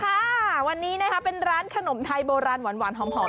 ถูกต้องค่ะวันนี้เป็นร้านขนมไทยโบราณหวานหอม